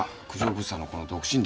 物産のこの独身寮。